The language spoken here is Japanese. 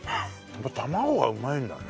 卵がうまいんだね。